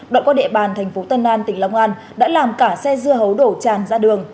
đoạn qua địa bàn tp tân an tỉnh long an đã làm cả xe dưa hấu đổ chàn ra đường